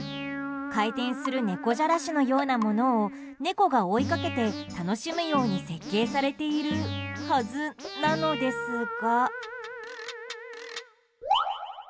回転する猫じゃらしのようなものを猫が追いかけて楽しむように設計されているはずなのですが。